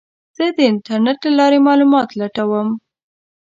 زه د انټرنیټ له لارې معلومات لټوم.